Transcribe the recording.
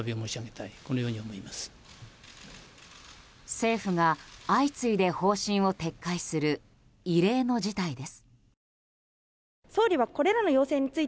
政府が相次いで方針を撤回する異例の事態です。